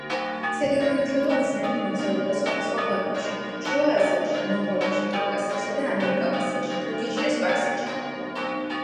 საგანმანათლებლო მიზნებით მოგზაურობდა სხვადასხვა ქვეყნებში: შუა აზიაში, მონღოლეთში, კავკასიასა და ამიერკავკასიაში, თურქეთში და სპარსეთში.